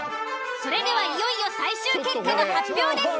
それではいよいよ最終結果の発表です。